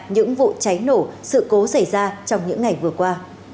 những vụ cháy nổ sự cố xảy ra trong những ngày vừa qua